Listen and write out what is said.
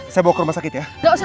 saya bawa ke rumah sakit ya